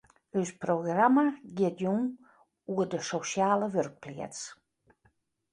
Us programma giet jûn oer de sosjale wurkpleats.